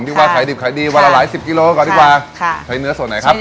ที่ว่าขายดิบขายดีวันละหลายสิบกิโลก่อนดีกว่าค่ะใช้เนื้อส่วนไหนครับ